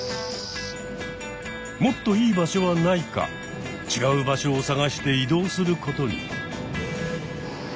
もっといい場所はないか違う場所を探して移動することに。